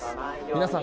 皆さん